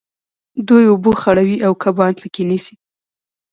دوی اوبه خړوي او کبان په کې نیسي.